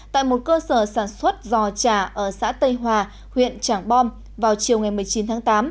tại một cơ sở sản xuất giò trà ở xã tây hòa huyện trảng bom vào chiều một mươi chín tháng tám